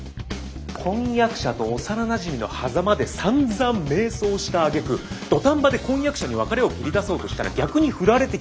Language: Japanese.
婚約者と幼なじみのはざまでさんざん迷走したあげく土壇場で婚約者に別れを切り出そうとしたら逆に振られて